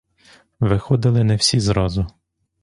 Виходили не всі зразу.